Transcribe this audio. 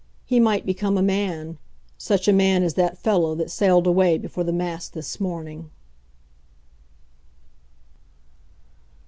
He might become a man; such a man as that fellow that sailed away before the mast this morning.